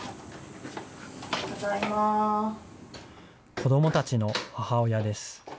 子どもたちの母親です。